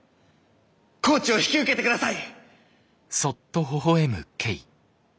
コーチを引き受けてください！